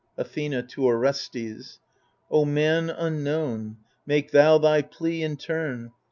Athena (to Orestes) O man unknown, make thou thy plea in turn.